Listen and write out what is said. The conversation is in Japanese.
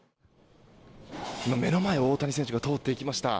今、目の前を大谷選手が通っていきました。